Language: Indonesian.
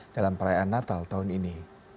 dalam perayaan natal tahun ini